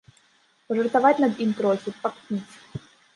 Пажартаваць над ім трохі, пакпіць.